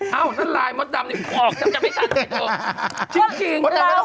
เอ้านั่นลายมดดำนี่ออกจับไปจัดให้ดู